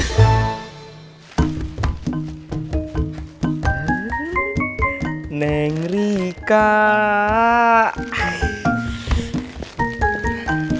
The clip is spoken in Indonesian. sampai jumpa di video selanjutnya